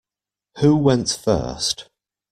Who went first?